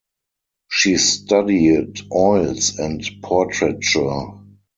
She studied oils and portraiture.